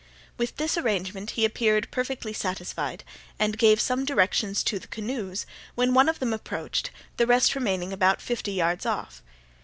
With this arrangement he appeared perfectly satisfied, and gave some directions to the canoes, when one of them approached, the rest remaining about fifty yards off.